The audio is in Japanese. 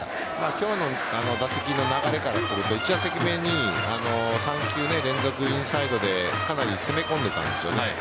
今日の打席の流れからすると１打席目に３球連続インサイドでかなり攻め込んでいたんです。